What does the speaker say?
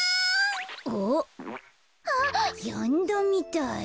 あっやんだみたい。